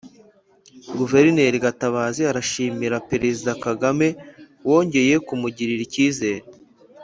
guverineri gatabazi arashimira perezida kagame wongeye kumugirira icyizere